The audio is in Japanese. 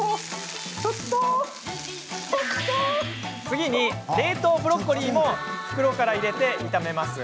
次に、冷凍ブロッコリーも袋から入れて炒めます。